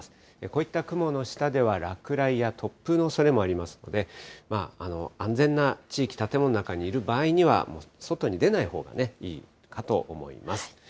こういった雲の下では落雷や突風のおそれもありますので、安全な地域、建物の中にいる場合には、外に出ないほうがいいかと思います。